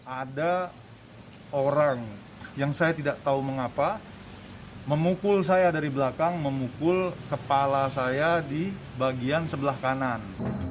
ada orang yang saya tidak tahu mengapa memukul saya dari belakang memukul kepala saya di bagian sebelah kanan